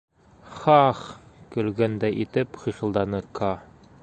— Ха-а-ах-х, — көлгәндәй итеп хихылданы Каа.